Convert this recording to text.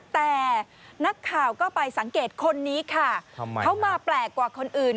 แต่นักข่าวก็ไปสังเกตคนนี้ค่ะเขามาแปลกกว่าคนอื่น